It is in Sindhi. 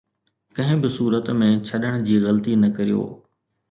ڪنهن به صورت ۾ ڇڏڻ جي غلطي نه ڪريو